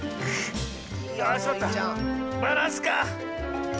バランスか！